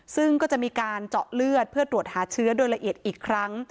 ซึ่งก็จะมีการเจาะเลือดเพื่อตรวจหาเชื้อโดยละเอียดอีกครั้ง